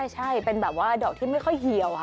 ใช่เป็นแบบว่าดอกที่ไม่ค่อยเหี่ยว